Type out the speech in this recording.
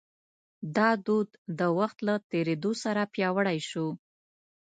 دا دود د وخت له تېرېدو سره پیاوړی شو.